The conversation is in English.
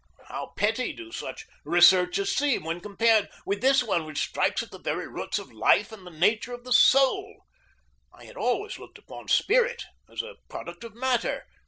How petty do such researches seem when compared with this one which strikes at the very roots of life and the nature of the soul! I had always looked upon spirit as a product of matter.